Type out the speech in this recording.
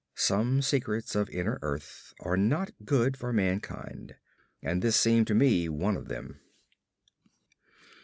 Some secrets of inner earth are not good for mankind, and this seemed to me one of them.